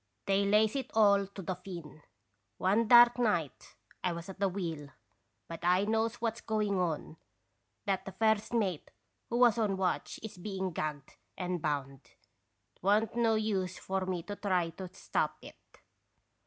They lays it all to the Finn. One dark night I was at the wheel, but I knows what 's going on, that the first mate, who was on watch, is being gagged and bound. It wa' n't no use for me to try to stop it.